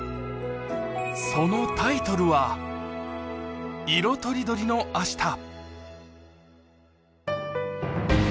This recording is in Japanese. そのタイトルは、「いろとりどりのあした」